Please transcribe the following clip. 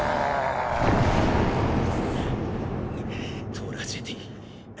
トラジェディ。